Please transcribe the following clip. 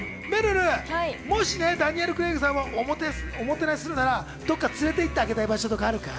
めるる、もしダニエル・クレイグさんをおもてなしするなら、どっか連れて行ってあげたい場所ってあるかい？